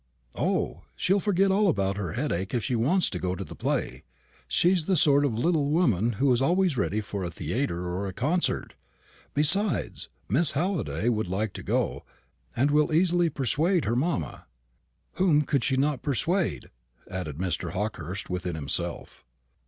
"O, she'll forget all about her headache if she wants to go to the play. She's the sort of little woman who is always ready for a theatre or a concert. Besides, Miss Halliday may like to go, and will easily persuade her mamma. Whom could she not persuade?" added Mr. Hawkehurst within himself.